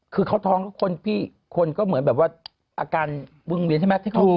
คือเขาท้องพี่คนก็เหมือนแบบว่าอาการวิ่งเวียนใช่ไหม